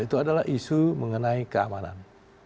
itu adalah isu mengenai keamanan